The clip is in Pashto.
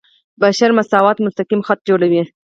بشپړ مساوات مستقیم خط جوړوي.